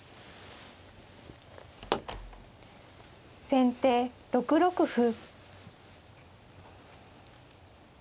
先手６六歩。